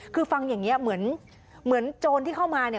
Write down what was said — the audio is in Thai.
คือฟังอย่างนี้เหมือนโจรที่เข้ามาเนี่ย